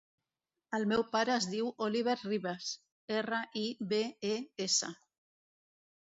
El meu pare es diu Oliver Ribes: erra, i, be, e, essa.